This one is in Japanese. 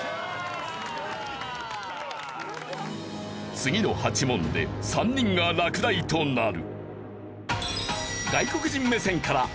次の８問で３人が落第となる。